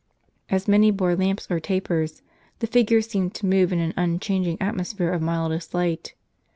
As many bore lamps or tapers, the figures seemed to move in an unchanging atmosphere of mildest light.